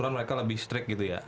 non mereka lebih strict gitu ya